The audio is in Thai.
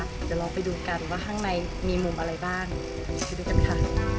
เดี๋ยวลองไปดูกันว่าข้างในมีมุมอะไรบ้างไปดูกันค่ะ